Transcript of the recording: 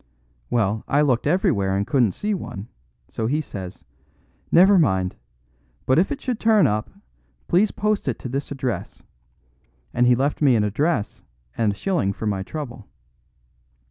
Well, I looked everywhere and couldn't see one; so he says, 'Never mind; but if it should turn up, please post it to this address,' and he left me the address and a shilling for my trouble.